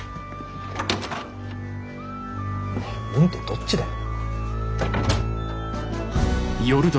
「うん」ってどっちだよ。